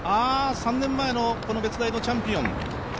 ３年前の別大のチャンピオン。